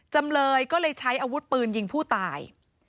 จำเลยก็เลยใช้อาวุธปืนยิงผู้ตาย